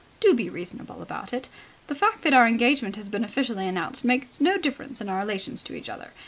Do be reasonable about it. The fact that our engagement has been officially announced makes no difference in our relations to each other.